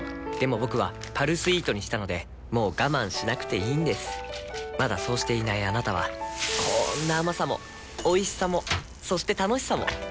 僕は「パルスイート」にしたのでもう我慢しなくていいんですまだそうしていないあなたはこんな甘さもおいしさもそして楽しさもあちっ。